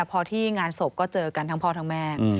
พอที่งานศพก็เจอกันทั้งพ่อทั้งแม่